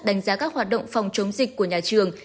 đánh giá các hoạt động phòng chống dịch của nhà trường